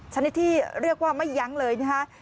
ชนิดที่เรียกว่าไม่ยั้งเลยนะคะ